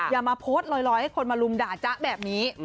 อย่ามาโพสต์ลอยให้คนมาลุมด่าจ๊ะแบบนี้